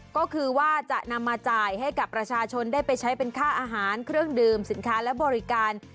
ก็คือว่าจะนำมาจ่ายให้กับประชาชนได้ไปใช้เป็นค่าอาหารเครื่องดื่มสินค้าและบริการ